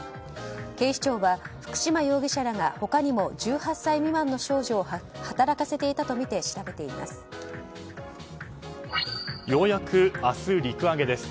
警視庁は、福島容疑者らが他にも１８歳未満の少女を働かせていたとみて調べています。